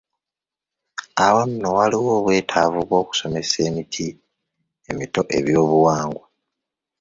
Awo nno waliwo obwetaavu bw’okusomesa emiti emito ebyobuwangwa..